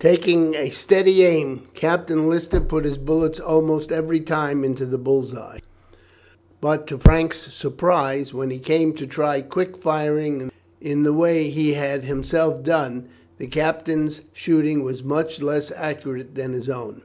Taking a steady aim, Captain Lister put his bullets almost every time into the bull's eye, but, to Frank's surprise, when he came to try quick firing in the way he had himself done, the captain's shooting was much less accurate than his own.